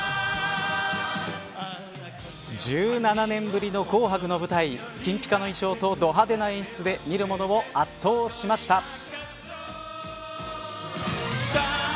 １７年ぶりの紅白の舞台金ぴかの衣装と、ど派手な演出で見る者を圧倒しました。